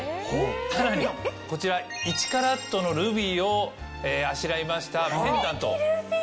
さらにこちら１ｃｔのルビーをあしらいましたペンダント。